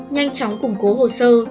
nhanh chóng củng cố hồ sơ